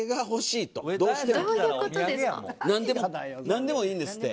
何でもいいんですって。